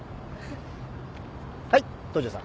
はい東城さん